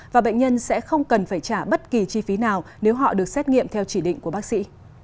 và bệnh nhân sẽ không cần phải trả bất kỳ chi phí nào nếu họ được xét nghiệm theo chỉ định của bác sĩ